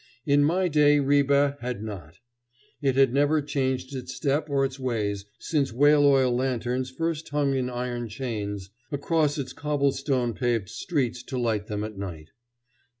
In my day Ribe had not. It had never changed its step or its ways since whale oil lanterns first hung in iron chains across its cobblestone paved streets to light them at night.